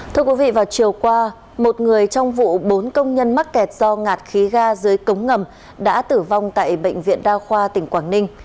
thưa quý vị vào chiều qua một người trong vụ bốn công nhân mắc kẹt do ngạt khí ga dưới cống ngầm đã tử vong tại bệnh viện đa khoa tỉnh quảng ninh